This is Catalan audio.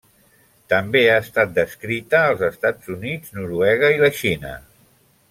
També ha estat descrita als Estats Units, Noruega i la Xina.